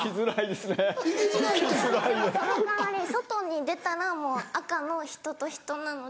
でもその代わり外に出たらもう赤の人と人なので。